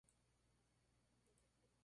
Joder fue llamado anteriormente Adelia.